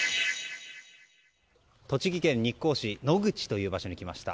栃木県日光市野口という場所に来ました。